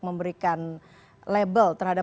memberikan label terhadap